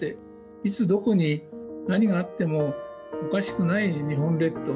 いつどこに何があってもおかしくない日本列島。